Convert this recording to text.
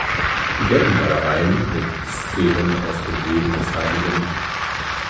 Die Deckenmalereien mit Szenen aus dem Leben des hl.